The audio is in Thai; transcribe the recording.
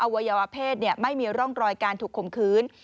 วัยวะเพศไม่มีร่องรอยการถูกข่มขืน